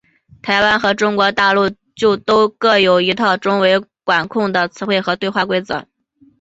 台湾和中国大陆就都各有一套中文空管的词汇和对话规则。